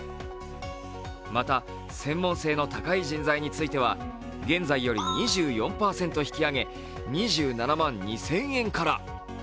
また、専門性の高い人材については現在より２４％引き上げ２７万２０００円から。